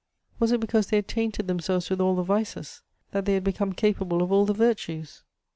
Was it because they had tainted themselves with all the vices that they had become capable of all the virtues?